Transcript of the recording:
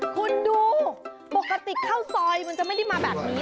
คุณดูปกติข้าวซอยมันจะไม่ได้มาแบบนี้